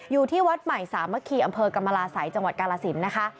อยู่ที่วัดใหม่สามัคคีอำเภอกรรมราศัยจังหวัดกาลสินนะคะ